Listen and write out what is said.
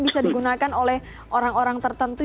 bisa digunakan oleh orang orang tertentu